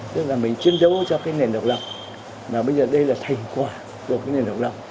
tức là mình chiến đấu cho cái nền độc lập mà bây giờ đây là thành quả của cái nền độc lập